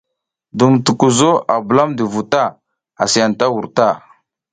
Dum tukuzo a bulamdi vu ta asi a anta wur.